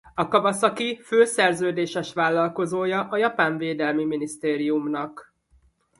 A Kawasaki fő szerződéses vállalkozója a Japán Védelmi Minisztériumnak.